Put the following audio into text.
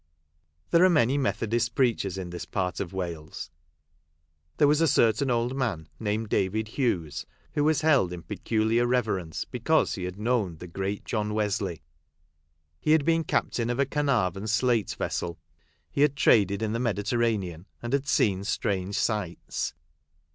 There are many Methodist preachers in this part of Wales. There was a certain old man, named David Hughes, who was held in peculiar reverence because he had known the Ctarle« Dickens.] THE WELL OF PEN MORFA. 207 great John Wesley. He had been captain of a Caernarvon slate vessel ; he had traded in the Mediterranean, and had seen strange sights.